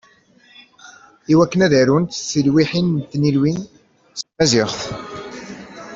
I wakken ad arunt tilwiḥin n tnilwin s tmaziɣt.